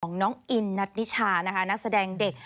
ของน้องอินณณิชานะภาษาแดงเด็ก